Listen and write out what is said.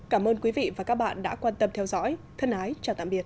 cảm ơn quý vị và các bạn đã quan tâm theo dõi thân ái chào tạm biệt